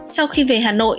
sau khi về hà nội